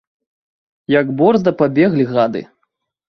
Як борзда прабеглі гады!